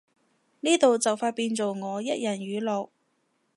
呢度就快變做我一人語錄